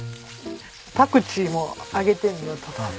パクチーも揚げてみようと思って。